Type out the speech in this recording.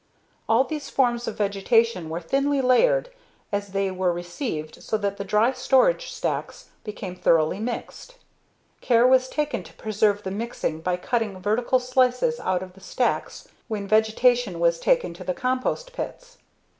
All these forms of vegetation were thinly layered as they were received so that the dry storage stacks became thoroughly mixed. Care was taken to preserve the mixing by cutting vertical slices out of the stacks when vegetation was taken to the compost pits.